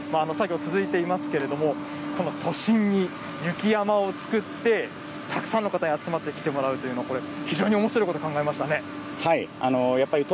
作業続いていますけれども、都心に雪山を作って、たくさんの方に集まってきてもらう、これ、非常におもしろいこと考えましたね。